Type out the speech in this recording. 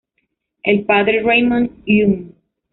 El padre Raymond Un.